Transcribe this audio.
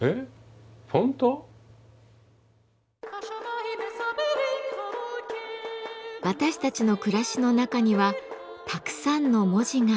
私たちの暮らしの中にはたくさんの文字があふれています。